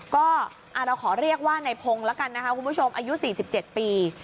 ก็เราขอเรียกว่าในพงศ์แล้วกันนะคะคุณผู้ชมอายุ๔๗ปี